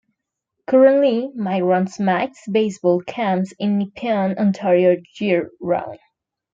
Currently, Mike runs "Mike's Baseball Camps" in Nepean, Ontario year round.